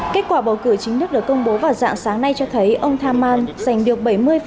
kết quả bầu cử chính thức được công bố vào dạng sáng nay cho thấy ông thamman giành được bảy mươi